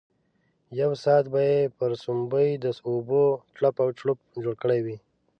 یو ساعت به یې پر سومبۍ د اوبو چړپ او چړوپ جوړ کړی وو.